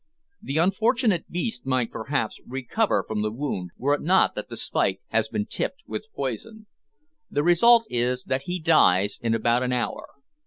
The unfortunate beast might perhaps recover from the wound, were it not that the spike has been tipped with poison. The result is that he dies in about an hour.